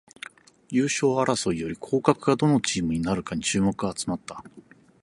優勝争いより降格がどのチームになるかに注目が集まった